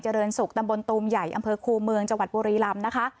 เรินสุขตำบลตูมใหญ่อำเภอคูเมืองจังหวัดบุรีลำนะคะ